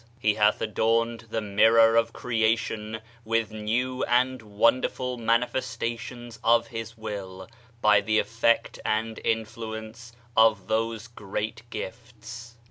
He hadi adorned the mirror of creation with new and wonderful manifestations of his will, by the effect and influence of those great gifts.